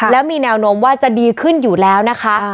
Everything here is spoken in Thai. แล้วมีแนวโน้มว่าจะดีขึ้นอยู่แล้วนะคะ